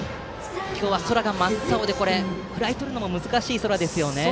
今日は、空が真っ青でフライをとるのも難しい空ですね。